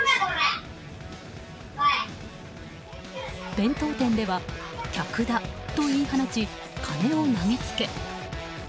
弁当店では客だと言い放ち金を投げつけ。